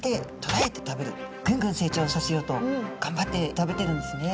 ぐんぐん成長させようとがんばって食べてるんですね。